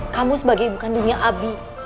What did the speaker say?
kamu sebagai ibu kandungnya abi